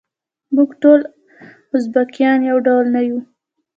موږ ټول ازبیکان یو ډول نه یوو.